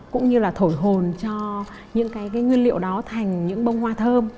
cũng như là thổi hồn cho những cái nguyên liệu đó thành những bông hoa thơm